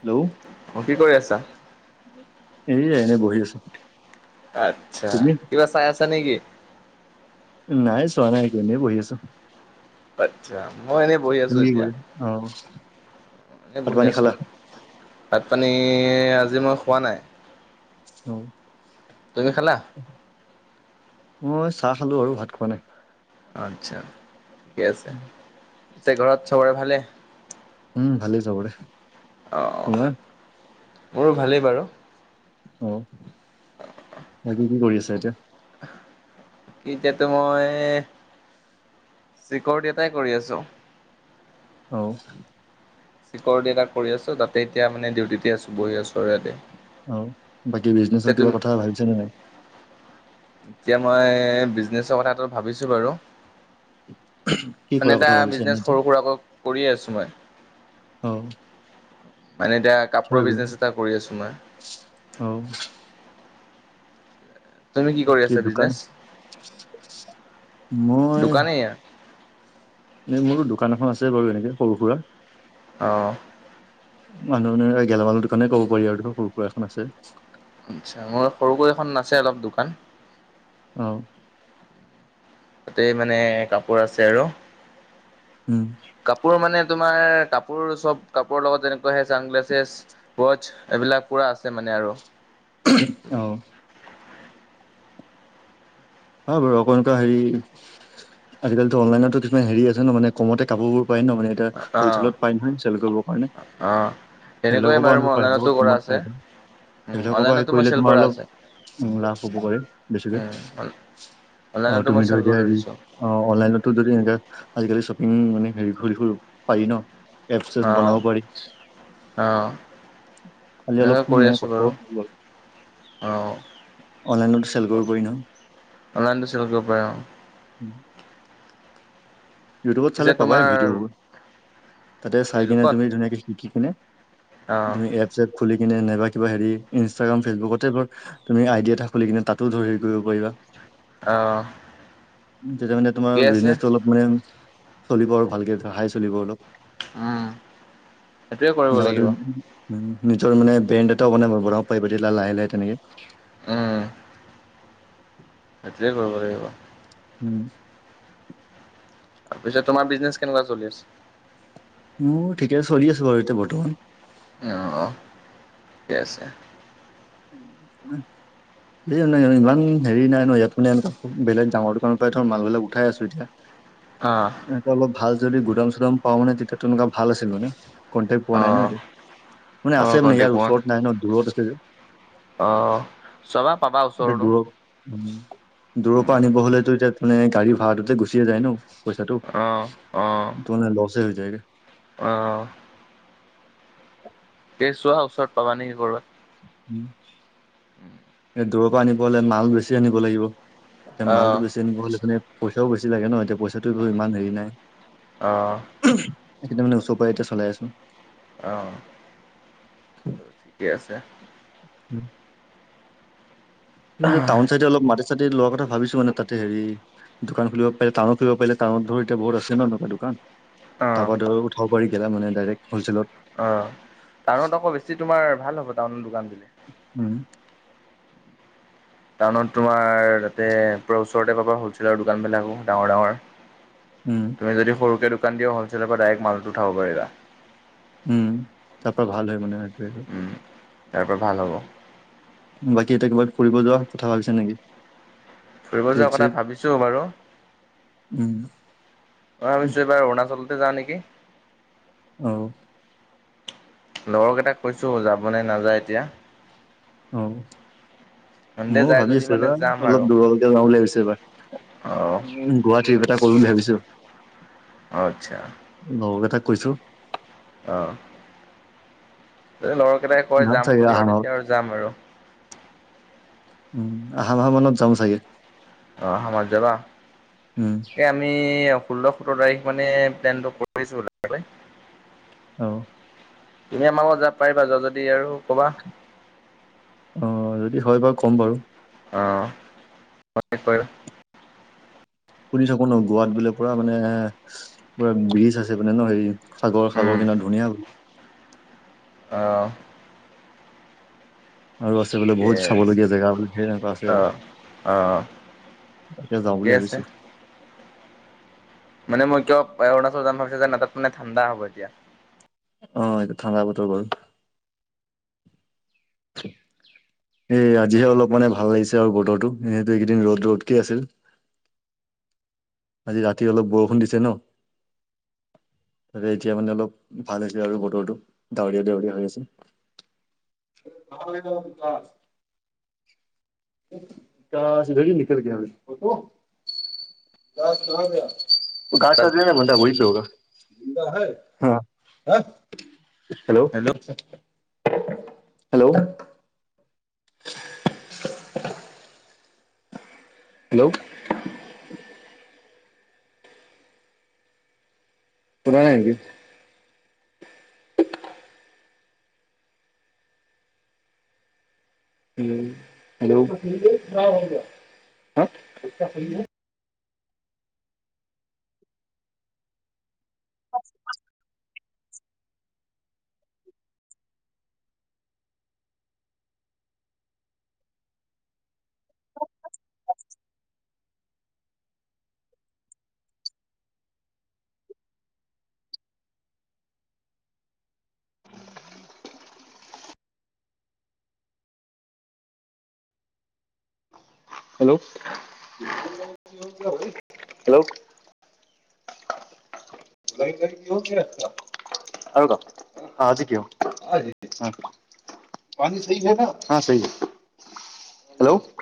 Hello. অ, 'কি কৰি আছা? এয়াই এনেই বহি আছো। আচ্ছা, তুমি ' কিবা চাই আছা নেকি? নাই চোৱা নাই একো এনেই বহি আছো। আচ্ছা, 'মই এনেই বহি আছো তুমি কি এতিয়া কৰি অ এনে ভাত বহি পানী আছো। খালা ভাত পানী আজি মই খোৱা নাই। অ তুমি খালা? মই চাহ খালো আৰু, ভাত খোৱা নাই। আচ্ছা ঠিকে আছে পিছে ঘৰত চবৰে ভালে? উম ভালেই চবৰে অ তোমাৰ? মোৰো ভালেই বাৰু। অ আৰু কি কি কৰি আছে এতিয়া? এতিয়াতো মই ছিকিউৰিটী এটাই কৰি আছোঁ। অঁ চিকিউৰিটি এটা কৰি আছো তাতে এতিয়া মানে ডিউটিতে আছো বহি আছোঁ আৰু ইয়াতে। অ বাকী পিছে বিজনেজৰ কিবা তুমি কথা ভাবিছে নে নাই? এতিয়া মই বিজনেচৰ কথাটো ভাবিছো বাৰু! কি কৰা মানে এটা কথা ভাবিছা এনে বিজনেচ এতিয়া সৰু সুৰাৰাকৈ কৰিয়ে আছো মই। অঁ মানে এতিয়া কাপোৰৰ বিজনেজ এটা কৰি আছো মই। অ তুমি কৰি কি আছা দোকান, বিজনেছ? মই দোকানেই এ মোৰো দোকান এখন আছে বাৰু এনেকৈ সৰু সুৰা। অঁ মানুহে গেলামালৰ দোকানে কব পাৰি আৰু সৰু সুৰা এখন আছে। আচ্ছা মোৰ সৰুকৈ এখন আছে অলপ দো অ তাতেই মানে কাপোৰ আছে আৰু। উম কাপোৰ মানে তোমাৰ কাপোৰ চব কাপোৰৰ লগত যেনেকুৱা আহে ছানগ্লাছেছ হোৱাটচ এইবিলাক পুৰা আছে মানে আৰু। অ। হ বাৰু আকৌ এনেকুৱা হেৰি আজিকালিতো অনলাইনতো কিমান হেৰি আছে ন মানে কমতে কাপোৰবোৰ পাই ন মানে এতিয়া অঁ হলচেলত পাই নহয় চেল কৰিবৰ কাৰণে। অঁ। সেইবিলাকৰ তেনেকৈয়ে পৰাও বাৰু আনিব মই পাৰেটো অনলাইনতো কৰা কমত আছে। পায়টো। উম সেইবিলাকৰ পৰা সেই অনলাইনতো মই কৰিলে চেল তোমাৰ কৰা অলপ আছে। উ লাভ হ'ব পাৰে বেছিকে। উম আৰু অনলাইনতো মই তুমি টো চেল এতিয়া কৰি হেৰি দিছো। অ অনলাইনতো যদি এনেকে আজিকালি শ্বপিং মানে হেৰি কৰিব পাৰি ন। এপচ চেচ অঁ বনাব পাৰি। অঁ খালি এনেকৈ অলপ কৰি মানে আছো কষ্ট বাৰু হব অঁ অনলাইনতো চেল কৰিব পাৰি নহয়। অনলাইনতো চেল কৰিব পাৰে অ। উম। ইউটিউবত পিছে চালে পাবায়ে তোমাৰ ভিডিঅ'বোৰ তাতে চাই কিনে ইউটিউবত তুমি ধুনীয়াকে শিকি কিনে অ', তুমি এপ চেপ খুলি কিনে নাইবা কিবা হেৰি ইনষ্টাগ্ৰাম ফেচবুকতে ব তুমি আইডি এটা খুলি কিনে তাতো ধৰি হেৰি কৰিব পাৰিবা। অ', তেতিয়া মানে তোমাৰ ঠিকে আছে বিজনেজটো অলপ মানে চলিব আৰু ভালকে হাই চলিব অলপ। উম সেইটোৱে কৰিব নাইবা লাগিব তুমি নিজৰ মানে ব্ৰেণ্ড এটাও মানে বনাব পাৰিবা তেতিয়া লাহে লাহে তেনেকে। উম্। [unintelligible] সেইটোয়ে কৰিব লাগিব। উম। তাৰপিছত তোমাৰ বিজনেছ কেনেকুৱা চলি আছে? মোৰ ঠিকে চলি আছো বাৰু এতিয়া বৰ্তমান। অ অ ঠিকে আছে। [inaudible] এই নাই ইমান হেৰি নাই ন ইয়াত মানে সেনেকুৱা ডাঙৰ দোকানৰ পৰাই ধৰ মালবিলাক উঠাই আছো এতিয়া। [unintelligible] অ অলপ ভাল যদি গুদাম- চুদাম পাওঁ মানে তেতিয়া তেনেকুৱা ভাল আছিল মানে। কণ্টেক্ট পোৱা নাই ন অ', নতিয়া। মানে আছে অ', মানে কণ্টেক ইয়াৰ ওচৰত নাই ন দূৰত আছে যে। অঁ এতিয়া দূৰ দূৰৰ পৰা আনিব হলেতো এতিয়া, মানে গাড়ী ভা়ৰাটোতে গুচিয়ে যায় ন পইচাটো, অ', ত মানে লচে হৈ যায়গে। অঁ তে চোৱা ওচৰত পাব নেকি ক'ৰবাত। উম। [inaudible] দূৰ পৰা আনিব হলে মাল বেছি আনিব লাগিব। তে অ', মালটো বেছিআনিব হ'লে মানে, পইচাও বেছি লাগে ন এতিয়া পইচাটো ইমান হেৰি নাই। অ', একদম মানে ওচৰ পৰাই এতিয়া চলাই আছো। অ। ঠিকে আছে। উম। ইপিনে টাউন চাইডে অলপ মাটি-চাতি লোৱাৰ কথা ভাবিছো মানে তাতে হেৰি, দোকান খুলিব পাৰি। টাউনত খুলিব পাৰিলে টাউনত ধৰ বহুত আছে ন এনেকুৱা দোকান। অ', তাৰপৰা ধৰ আৰু উঠাব পাৰি গেলা মানে ডাইৰেক্ট হলচেলত। অ টাউনত আকৌ বেছি তোমাৰ ভাল হ'ব টাউনত দোকান দিলে। উম। টাউনত তোমাৰ তাতে পূৰা ওচৰতে পাবা হ'লচেলৰ দোকানবিলাকো ডাঙৰ ডাঙৰ। উম। তুমি যদি সৰুযে দোকান দিয় হলছেলৰ পৰা ডাইৰেক্ট মালটো ওঠাব পাৰিবা। উম তাৰ পৰা ভাল হয় মানে সেইটোৱেটো। উম তাৰ পৰা ভাল হ'ব। বাকী এতিয়া কিবা ফুৰিব যোৱা কথা ভাবিছে নেকি? ফুৰিব ট্ৰিপ যোৱাৰ কথা চিপ ভাবিছো বাৰু। উম মই ভাবিছো এইবাৰ অৰুণাচল যাও নেকি। অ লগৰকেইটাক কৈছো যাব নে নাযায় এতিয়া। অ সিহঁতে মযও যায় ভাবি যদি আছো মানে এইবাৰ যাম আৰু। অলপ দূৰলৈকে যাওঁ বুলি ভাবিছো এইবাৰ। অ', উম গোৱা ট্ৰিপ এটা কৰিম বুলি ভাবিছো। অ আচ্ছা। লগৰ কেইটাক কৈছো। অ। যদি লগৰ কেইটাই কয় যাম চাগে বুলি অহা আৰু মাহত তেতিয়া আৰু যাম আৰু। উম, আহা মাহ মানত যাম চাগে। অ, অহা মাহত যাবা, উম ইয়াত আমি ষোল্ল সোতৰ তাৰিখ মানে প্লেনটো কৰিছোঁ লাহেকৈ। অ। তুমি আমাৰ লগত যাব পাৰিবা যোৱা যদি আৰু ক'বা। অ যদি হয় বাৰু কম বাৰু। অ, প্ৰত্যেকবাৰ। শুনি থাকো ন গোৱাত বোলে পুৰা মানে পুৰা ব্ৰিজ আছে মানে ন হেৰি সাগৰ সাগৰ কিনাত ধুনীয়া অ। আৰু আছে বোলে ঠিকে বহুত আছে চাবলগীয়া জেগা বোলে ধেৰ এনেকুৱা আছে আৰু। আহ অ এতিয়া যাওঁ ঠিকে বুলি আছে ভাবিছোঁ। মানে মই কিয় অৰুণাচলত যাম বুলি ভাবিছোঁ মানে ঠাণ্ডা হ'ব এতিয়া। অ এইটো ঠাণ্ডা বতৰ গ'ল। [inaudible] এ আজিহে অলপ মানে ভাল লাগিছে আৰু বতৰো এইকেইদিন ৰ'দ ৰ'দকে আছিল। আজি ৰাতি অলপ বৰষুণ দিছে ন! তাকে এতিয়া মানে অলপ ভাল হৈছে আৰু বতৰটো ডাৱৰীয়া ডাৱৰীয়া হৈ আছে। [unintelligible] [unintelligible] [unintelligible] হেল্ল' হেল্ল' [inaudible] হেল্ল' শুনা নাই নেকি? হেল্ল' [unintelligible] [inaudible] হেল্ল' হেল্ল' গাড়ীত গাড়ীত কিহৰ কি ৰাখিছা! আৰু ক আজি কিয় [unintelligible] পানী চাহি হে না, হা চাহি হে, হেল্ল'